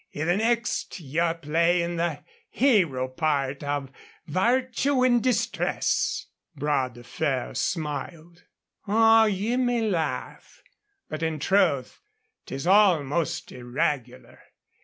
I' the next ye're playin' the hero part of 'Vartue in Distress.'" Bras de Fer smiled. "Oh, ye may laugh. But in truth 'tis all most irregular.